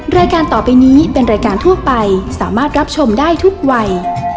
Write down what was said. รายการต่อไปนี้เป็นรายการทั่วไปสามารถรับชมได้ทุกวัย